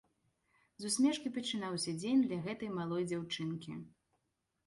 З усмешкі і пачынаўся дзень для гэтай малой дзяўчынкі.